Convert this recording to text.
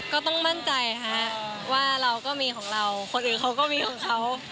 ก็ต้องมั่นใจค่ะว่าเราก็มีของเราคนอื่นเขาก็มีของเขา